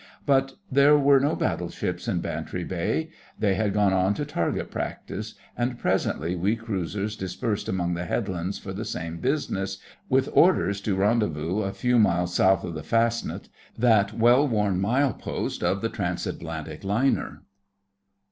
But there were no battleships in Bantry Bay. They had gone on to target practice, and presently we cruisers dispersed among the headlands for the same business, with orders to rendezvous a few miles South of the Fastnet, that well worn mile post of the Transatlantic liner.